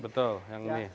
betul yang ini